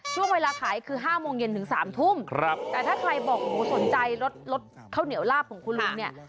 ช่วงเวลาขายคือ๕โมงเย็นถึง๓ทุ่มแต่ถ้าใครบอกโหสนใจรสรสข้าวเหนียวลาบของคุณลุงเนี่ย